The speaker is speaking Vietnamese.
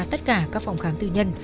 tất cả các phòng khám tư nhân